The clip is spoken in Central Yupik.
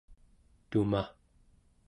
tumaᵉ